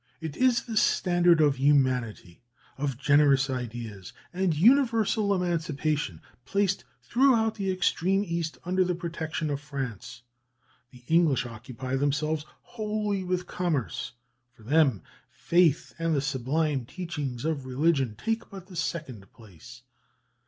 It is the standard of humanity, of generous ideas and universal emancipation, placed throughout the extreme East under the protection of France. The English occupy themselves wholly with commerce: for them, faith and the sublime teachings of religion take but the second place."